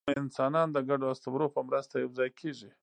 انسانان د ګډو اسطورو په مرسته یوځای کېږي.